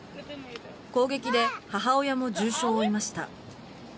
攻撃で母親も重傷を負いました。